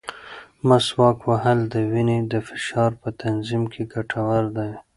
مسواک وهل د وینې د فشار په تنظیم کې ګټور دی.